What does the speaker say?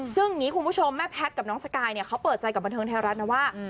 ซึ่งคุณผู้ชมแม่แพทย์กับน้องสกายเขาเปิดใจกับบันเทิงแท้รัฐนะว่า